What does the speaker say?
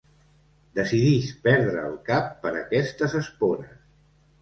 Decidís perdre el cap per aquestes espores.